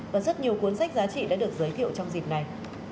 và rất nhiều cuốn sách giá trị đã được giới thiệu trong dịp này